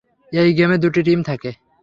এই গেমে দুটি টিম থাকে।